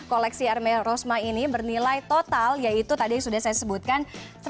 koleksi hermes rosmah ini bernilai total yaitu tadi sudah saya sebutkan